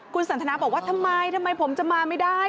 คุณสันทนาบอกว่าทำไมทำไมผมจะมาไม่ได้